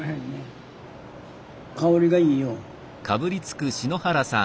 香りがいいよ。